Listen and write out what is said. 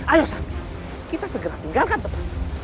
ayo sampai kita segera tinggalkan tempatnya